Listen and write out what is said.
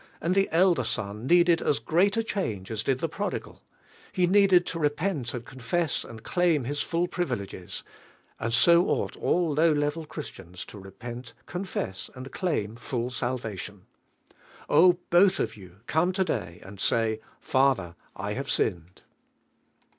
iiud I lit elder sun needed as great a change as did the prodigal; he needed to repent and confess and claim his full privileges; and so ought all low level Christians to re pent, confess, and claim full salvation. Oh, both of you come today and say, "Father, I have sinned."